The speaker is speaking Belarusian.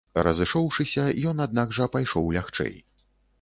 Разышоўшыся, ён аднак жа пайшоў лягчэй.